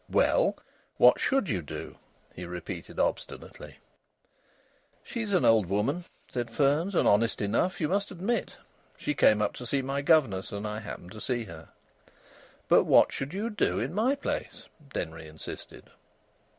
"Well, what should you do?" he repeated obstinately. "She's an old woman," said Fearns. "And honest enough, you must admit. She came up to see my governess, and I happened to see her." "But what should you do in my place?" Denry insisted.